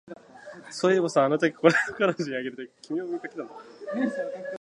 そういえば、あのとき、これを彼女にあげるとき、君を見かけたんだ